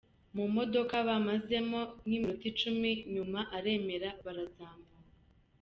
Mu modoka bamazemo nk’iminota icumi nyuma aremera barazamuka.